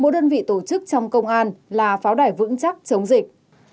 một đơn vị tổ chức trong công an là pháo đài vững chắc chống dịch